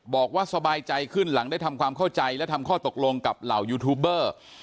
บอกว่าสบายใจขึ้นหลังได้ทำความเข้าใจและทำข้อตกลงกับเหล่ายูทูบเบอร์